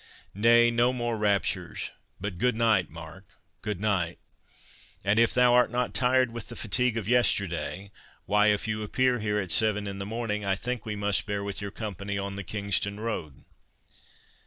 —Nay, no more raptures, but good night, Mark, good night; and if thou art not tired with the fatigue of yesterday—why, if you appear here at seven in the morning, I think we must bear with your company on the Kingston road."